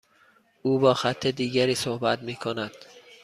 او با خط دیگری صحبت میکند.